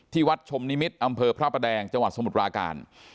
วัดชมนิมิตรอำเภอพระประแดงจังหวัดสมุทรปราการ